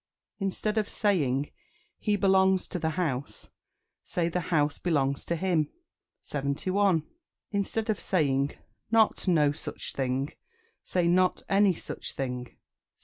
Instead of saying "He belongs to the house," say "The house belongs to him." 71. Instead of saying "Not no such thing," say "Not any such thing." 72.